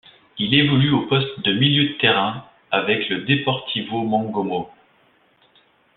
Il évolue au poste de milieu de terrain avec le Deportivo Mongomo.